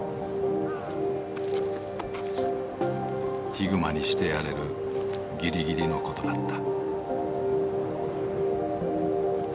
ヒグマにしてやれるぎりぎりのことだった。